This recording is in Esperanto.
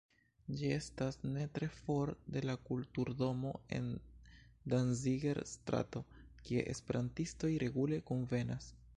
Ĝi estas ne tre for de la Kulturdomo en Danziger-strato, kie esperantistoj regule kunvenas.